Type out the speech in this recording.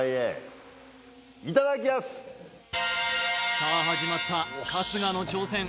さあ始まった春日の挑戦